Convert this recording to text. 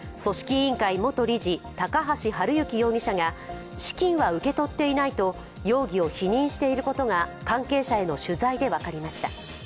委員会元理事高橋治之容疑者が資金は受け取っていないと容疑を否認していることが関係者への取材で分かりました。